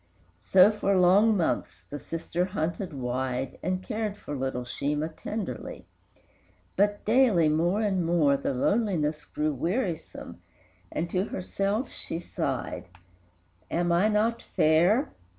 So, for long months, the sister hunted wide, And cared for little Sheemah tenderly; But, daily more and more, the loneliness Grew wearisome, and to herself she sighed, "Am I not fair?